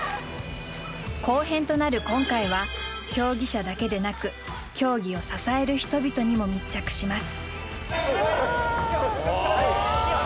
後編となる今回は競技者だけでなく競技を支える人々にも密着します。